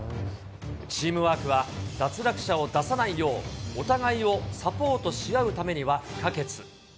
チームワークは脱落者を出さないよう、お互いをサポートし合うためには不可欠。